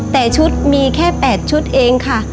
แต่ชุดมีแค่๘ชุดเองค่ะ